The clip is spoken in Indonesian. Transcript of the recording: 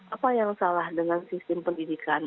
apa yang salah dengan sistem pendidikan